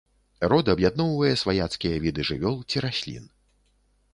Род аб'ядноўвае сваяцкія віды жывёл ці раслін.